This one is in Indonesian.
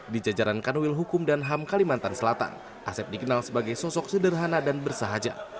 di jajaran kanwil hukum dan ham kalimantan selatan asep dikenal sebagai sosok sederhana dan bersahaja